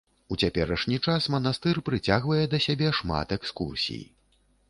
У цяперашні час манастыр прыцягвае да сябе шмат экскурсій.